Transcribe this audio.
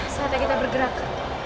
saatnya kita bergerak